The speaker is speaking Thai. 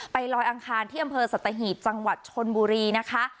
ลอยอังคารที่อำเภอสัตหีบจังหวัดชนบุรีนะคะ